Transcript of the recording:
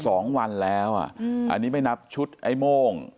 สองวันแล้วอ่ะอืมอันนี้ไม่นับชุดไอ้โม่ง